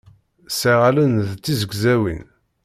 Sɛiɣ allen d tizegzawin.